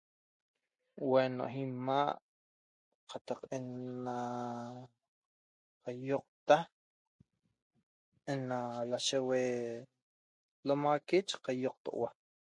Ueno imaa cataq ena caioqta ena lasheguee' lomaxaqui cioqtohua